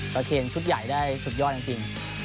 ประเคนชุดใหญ่ได้สุดยอดจริง